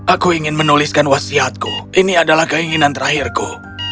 aku ingin menuliskan wasiatku ini adalah keinginan terakhirku